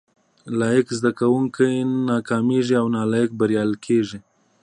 لايق زده کوونکي ناکامېږي او نالايق بريالي کېږي